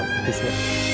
lihat di sini